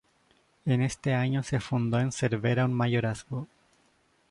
En este año se fundó en Cervera un Mayorazgo.